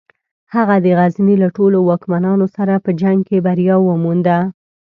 هغه د غزني له ټولو واکمنانو سره په جنګ کې بریا ومونده.